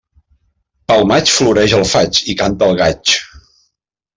Pel maig floreix el faig i canta el gaig.